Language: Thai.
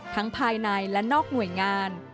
ภายในและนอกหน่วยงาน